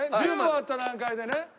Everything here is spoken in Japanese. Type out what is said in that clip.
１０終わった段階でね。